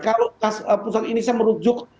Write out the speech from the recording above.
kalau pusat ini saya merujuk